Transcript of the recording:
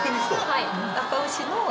はい。